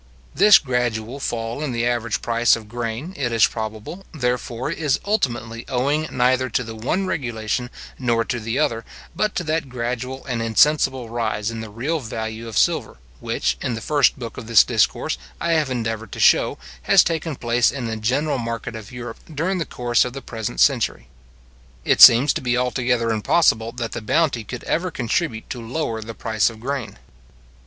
This gradual fall in the average price of grain, it is probable, therefore, is ultimately owing neither to the one regulation nor to the other, but to that gradual and insensible rise in the real value of silver, which, in the first book of this discourse, I have endeavoured to show, has taken place in the general market of Europe during the course of the present century. It seems to be altogether impossible that the bounty could ever contribute to lower the price of grain.